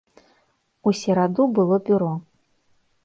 У сераду было бюро.